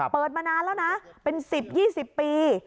เปิดมานานแล้วนะเป็น๑๐๒๐ปี